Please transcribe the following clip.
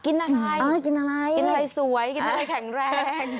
กินอะไรกินอะไรสวยกินอะไรแข็งแรง